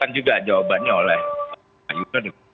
dan juga jawabannya oleh pak yuta